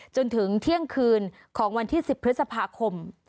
จนถึงเที่ยงคืนของวันที่๑๐พฤษภาคม